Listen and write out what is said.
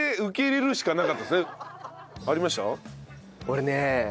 俺ね